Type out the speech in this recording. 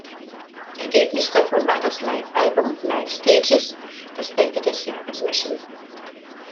Ergebnis davon war das Live-Album "Live Stages", das Ende des Jahres erschien.